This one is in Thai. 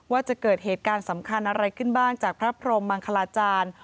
ว่าจะเกิดเหตุการณ์สำคัญอะไรขึ้นบ้างจากพระพรมมังคลาจารย์